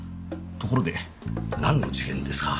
ところでなんの事件ですか？